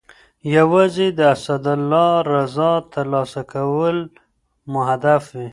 یوازې د الله رضا ترلاسه کول مو هدف وي.